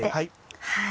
はい。